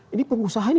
ini pengusaha ini